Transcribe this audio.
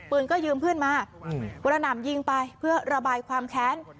ปืนก็ยืมเพื่อนมากระหน่ำยิงไปเพื่อระบายความแค้น